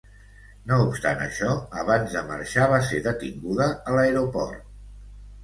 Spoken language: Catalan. No obstant això, abans de marxar va ser detinguda a l'aeroport.